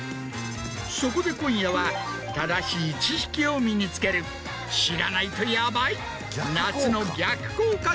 そこで今夜は正しい知識を身に付ける知らないとヤバい。